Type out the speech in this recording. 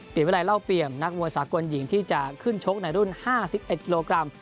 เปลี่ยนเวลาเล่าเปลี่ยมนักมวลสากลหญิงที่จะขึ้นโชคในรุ่น๕๑กิโลกรัม